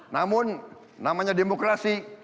namun namanya demokrasi